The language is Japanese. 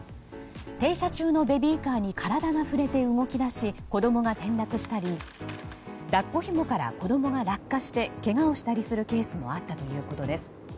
停車中のベビーカーに体が触れて動き出し子供が転落したり抱っこひもから子供が落下してけがをしたりするケースもあったということです。